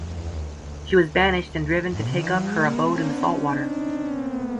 She was banished and driven to take up her abode in the saltwater.